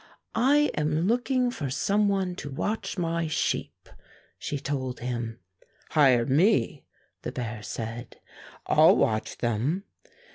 "I am looking for some one to watch my sheep," she told him. "Hire me," the bear said. "I'll watch them."